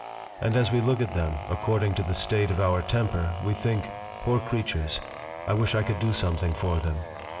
And as we look at them, according to the state of our temper, we think: Poor creatures, I wish I could do something for them!